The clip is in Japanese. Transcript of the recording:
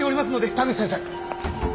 田口先生。